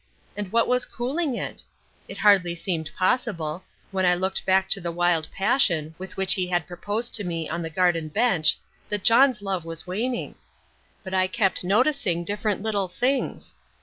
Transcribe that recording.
And what was cooling it? It hardly seemed possible, when I looked back to the wild passion with which he had proposed to me on the garden bench, that John's love was waning. But I kept noticing different little things.